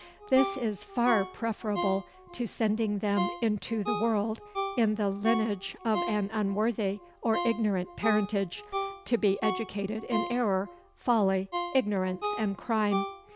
This is far preferable to sending them into the world in the lineage of an unworthy or ignorant parentage, to be educated in error, folly, ignorance and crime.